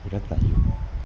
rất là nhiều